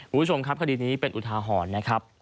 คุณผู้ชมครับคดีนี้เป็นอุทาหรณ์นะครับ